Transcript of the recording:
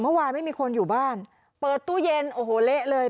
ไม่มีคนอยู่บ้านเปิดตู้เย็นโอ้โหเละเลย